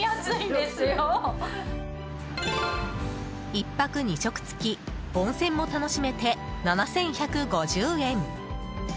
１泊２食付き温泉も楽しめて７１５０円。